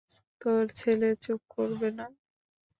তোর ছেলে চুপ করবে না?